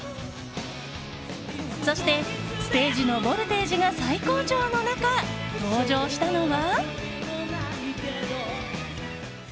そしてステージのボルテージが最高潮の中、登場したのは。